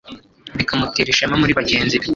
bikamutera ishema muri bagenzi be